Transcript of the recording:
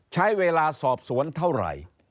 ใช้เวลาสอบสวนเท่าไหร่